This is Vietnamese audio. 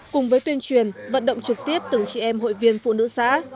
cùng với tuyên truyền vận động trực tiếp từng chị em hội viên phụ nữ xã